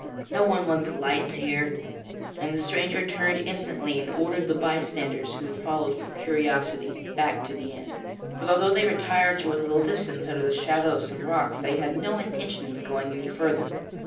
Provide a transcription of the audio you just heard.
'No one wants lights here,' and the stranger turned instantly and ordered the bystanders who had followed from curiosity, back to the inn. But although they retired to a little distance, under the shadow of some rocks, they had no intention of going any further.